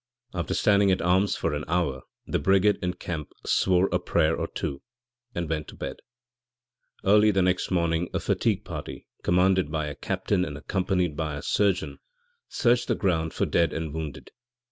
After standing at arms for an hour the brigade in camp 'swore a prayer or two' and went to bed. Early the next morning a fatigue party, commanded by a captain and accompanied by a surgeon, searched the ground for dead and wounded.